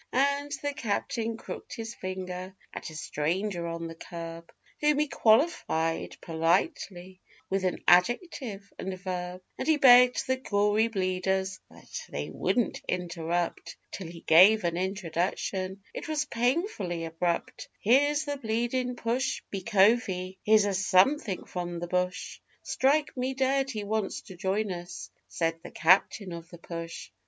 And the captain crooked his finger at a stranger on the kerb, Whom he qualified politely with an adjective and verb, And he begged the Gory Bleeders that they wouldn't interrupt Till he gave an introduction it was painfully abrupt 'Here's the bleedin' push, me covey here's a (something) from the bush! Strike me dead, he wants to join us!' said the captain of the push.